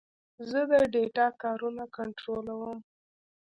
زه د ډیټا کارونه کنټرولوم.